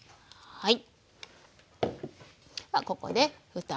はい。